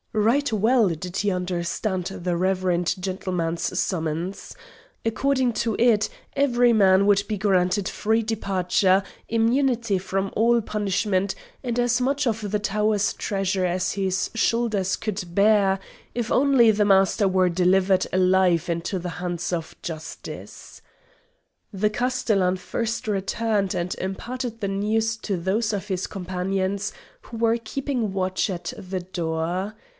Right well did he understand the reverend gentleman's summons. According to it, every man would be granted free departure, immunity from all punishment, and as much of the tower's treasure as his shoulders could bear, if only the Master were delivered alive into the hands of justice. The castellan first returned and imparted the news to those of his companions who were keeping watch at the door.